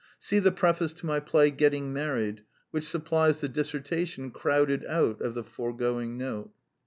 See the preface to my play Getting Married, which supplies the dissertation crowded out of the foregoing note.